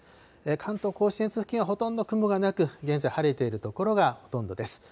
関東甲信越付近はほとんど雲がなく、現在、晴れている所がほとんどです。